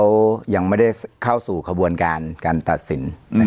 อัมโหลยังไม่ได้เข้าสู่ขบวนการตัดสิน